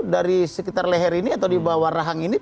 dari sekitar leher ini atau di bawah rahang ini